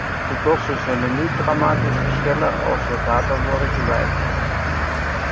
De kosten zullen niet dramatisch verschillen als de data worden gewijzigd.